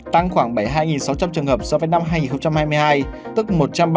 tăng khoảng bảy mươi hai sáu trăm linh trường hợp so với năm hai nghìn hai mươi hai tức một trăm ba mươi